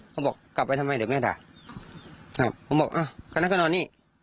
บอกกลับไปทำไมเดี๋ยวแม่ด่าครับผมบอกอ่ะคนนั้นก็นอนนี่